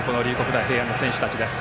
大平安の選手たちです。